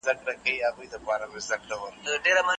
منطقي دلایل وړاندې کړئ.